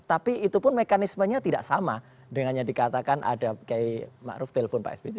tapi itu pun mekanismenya tidak sama dengan yang dikatakan ada kayak makruf telepon pak sp